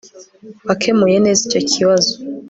Wakemuye neza icyo kibazo